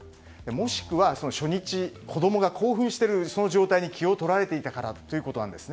もしくは、初日に子供が興奮している状態に気を取られていたからということなんです。